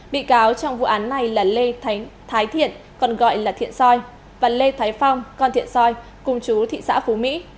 bị cáo trong vụ án này là lê thái thiện còn gọi là thiện soi và lê thái phong con thiện soi cùng chú thị xã phú mỹ